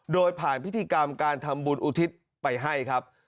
โดยผ่านพิธีกรรมการทำบุญอุทิศไปให้ครับ